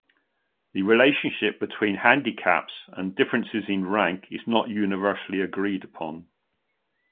The relationship between handicaps and differences in rank is not universally agreed upon.